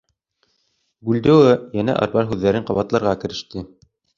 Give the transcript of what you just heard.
Бульдео йәнә арбар һүҙҙәрен ҡабатларға кереште.